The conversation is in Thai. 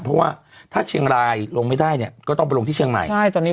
เพราะว่าถ้าเชียงรายลงไม่ได้เนี่ยก็ต้องไปลงที่เชียงใหม่ใช่ตอนนี้